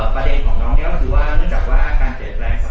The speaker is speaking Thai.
ประเด็นของน้องนี่ก็คือว่าเนื่องจากว่าอาการเปลี่ยนแปลง